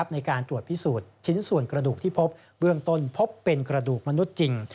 ในการตรวจพิสูจน์ชิ้นส่วนกระดูกที่พบเบื้องต้นพบเป็นกระดูกมนุษย์จริง